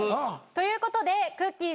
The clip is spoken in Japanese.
ということでくっきー！